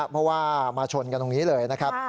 เพราะว่ามาชนกันตรงนี้เลยนะครับ